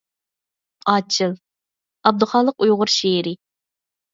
«ئاچىل» — ئابدۇخالىق ئۇيغۇر شېئىرى.